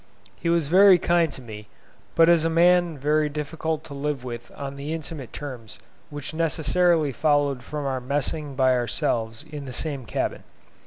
He was very kind to me, but was a man very difficult to live with on the intimate terms which necessarily followed from our messing by ourselves in the same cabin.